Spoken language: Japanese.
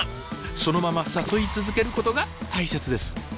そのまま誘い続けることが大切です。